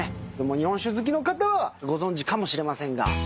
日本酒好きの方はご存じかもしれませんが。